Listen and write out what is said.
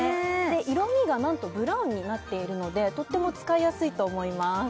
色味がなんとブラウンになってるのでとっても使いやすいと思います